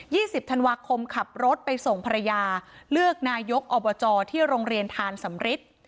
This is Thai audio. สิบธันวาคมขับรถไปส่งภรรยาเลือกนายกอบจที่โรงเรียนทานสำริท